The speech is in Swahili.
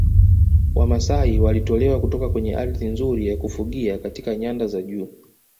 Wamasai walitolewa kutoka kwenye ardhi nzuri ya kufugia katika nyanda za juu